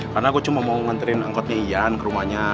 karena gue cuma mau ngantriin angkotnya ian ke rumahnya